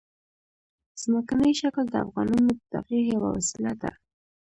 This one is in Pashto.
ځمکنی شکل د افغانانو د تفریح یوه وسیله ده.